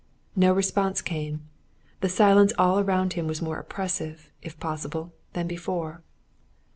No response came: the silence all around him was more oppressive, if possible, than before.